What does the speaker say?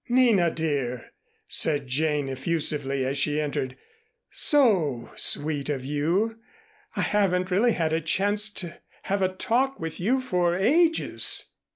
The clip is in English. "Nina, dear!" said Jane effusively as she entered. "So sweet of you. I haven't really had a chance to have a talk with you for ages."